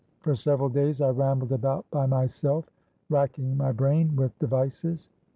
For several days I rambled about by myself, racking my brain with devices.